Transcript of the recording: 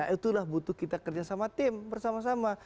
itulah butuh kita kerjasama tim bersama sama